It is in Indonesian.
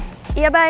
sampai jumpa lagi